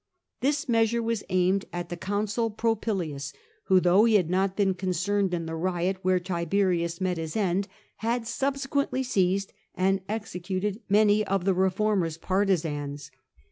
This measare was aimed at the Consul Popilius, who, though he had not been concerned in the riot where Tiberius met his end, had subsequently seized and executed many of the reformers partisans.